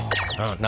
何？